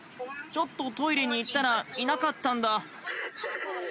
ちょっとトイレに行ったら、いなかったんだ。